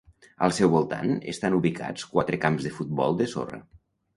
Al seu voltant estan ubicats quatre camps de futbol de sorra.